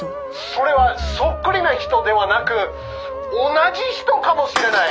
それはそっくりな人ではなく同じ人かもしれない。